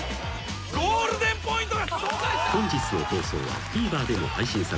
［本日の放送はＴＶｅｒでも配信されます］